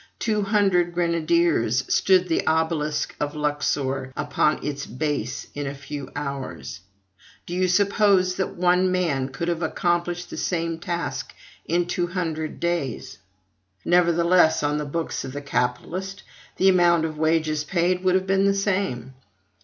Two hundred grenadiers stood the obelisk of Luxor upon its base in a few hours; do you suppose that one man could have accomplished the same task in two hundred days? Nevertheless, on the books of the capitalist, the amount of wages paid would have been the same.